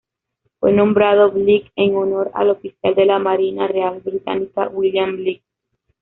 Fue nombrado Bligh en honor al oficial de la marina real británica William Bligh.